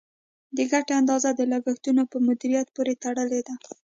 د ګټې اندازه د لګښتونو په مدیریت پورې تړلې ده.